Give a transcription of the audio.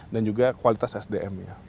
dan juga kualitas sdm ya